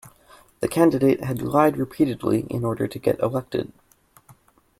The candidate had lied repeatedly in order to get elected